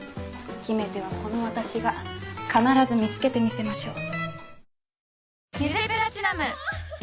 決め手はこの私が必ず見つけてみせましょう。